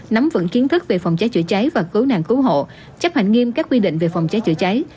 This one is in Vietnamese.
nắm vững kiến thức về phòng cháy chữa cháy và cứu nạn cứu hộ chấp hành nghiêm các quy định về phòng cháy chữa cháy